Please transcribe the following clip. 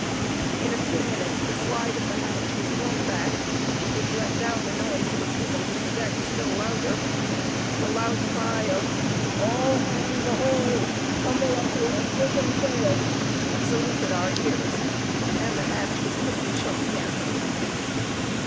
In a few minutes the slide of the hatch was thrown back, which let down the noise and tumult of the deck still louder, the loud cry of "All hands, ahoy! tumble up here and take in sail!" saluted our ears, and the hatch was quickly shut again.